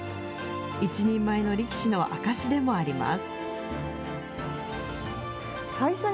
一人前の力士の証しでもあります。